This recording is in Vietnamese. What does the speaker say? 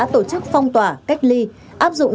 tổ chức phong tỏa cách ly áp dụng